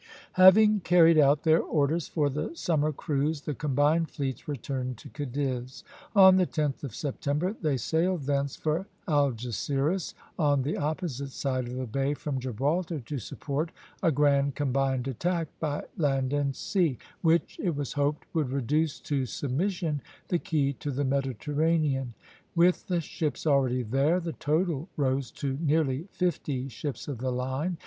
Having carried out their orders for the summer cruise, the combined fleets returned to Cadiz. On the 10th of September they sailed thence for Algesiras, on the opposite side of the bay from Gibraltar, to support a grand combined attack by land and sea, which, it was hoped, would reduce to submission the key to the Mediterranean. With the ships already there, the total rose to nearly fifty ships of the line.